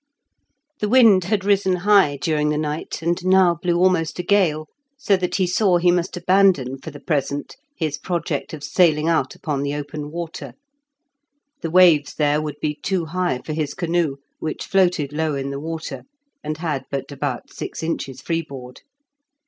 The wind had risen high during the night, and now blew almost a gale, so that he saw he must abandon for the present his project of sailing out upon the open water. The waves there would be too high for his canoe, which floated low in the water, and had but about six inches freeboard.